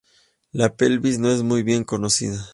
La pelvis no es muy bien conocida.